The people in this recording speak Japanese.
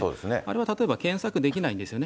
あれは例えば、検索できないんですよね。